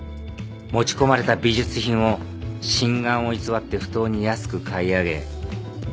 持ち込まれた美術品を真贋を偽って不当に安く買い上げ。